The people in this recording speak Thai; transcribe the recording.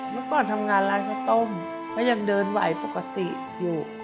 เมื่อก่อนทำงานร้านข้าวต้มก็ยังเดินไหวปกติอยู่